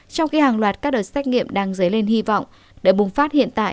trong khi hàng loạt các đợt xét nghiệm đang dấy lên hy vọng đại bùng phát hiện tại